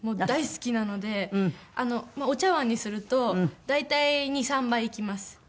大好きなのでお茶碗にすると大体２３杯いきます。